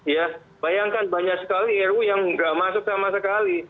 ya bayangkan banyak sekali ru yang nggak masuk sama sekali